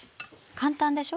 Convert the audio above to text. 簡単でしょ？